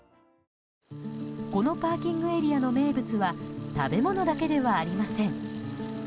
このパーキングエリアの名物は食べ物だけではありません。